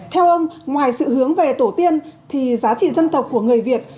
theo ông ngoài sự hướng về tổ tiên thì giá trị dân tộc của người việt